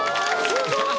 すごい。